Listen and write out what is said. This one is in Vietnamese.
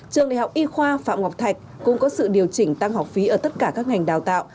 trường đại học y khoa phạm ngọc thạch cũng có sự điều chỉnh tăng học phí ở tất cả các ngành đào tạo